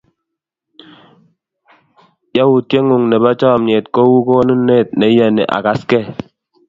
Yautye ng'ung' nepo chomyet kou konunet ne iyoni akaskey.